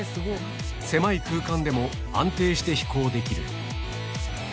狭い空間でも安定して飛行できる。